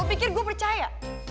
lo pikir gue percaya